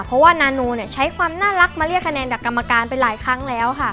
เพราะว่านานูเนี่ยใช้ความน่ารักมาเรียกคะแนนจากกรรมการไปหลายครั้งแล้วค่ะ